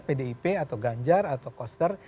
pdip atau ganjar atau koster